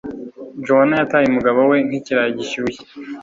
Joan yataye umugabo we nk'ikirayi gishyushye.